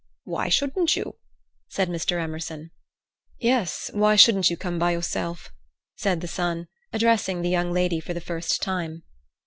"Why shouldn't you?" said Mr. Emerson. "Yes, why shouldn't you come by yourself?" said the son, addressing the young lady for the first time.